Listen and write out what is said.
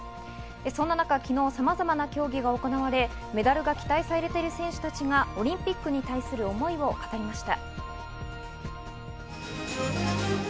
そんな中、昨日、さまざまな競技が行われ、メダルが期待されている選手たちがオリンピックに対する思いを語りました。